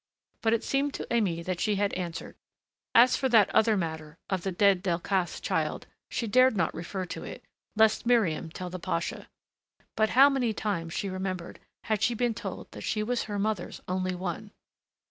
But it seemed to Aimée that she had answered. As for that other matter, of the dead Delcassé child, she dared not refer to it, lest Miriam tell the pasha. But how many times, she remembered, had she been told that she was her mother's only one!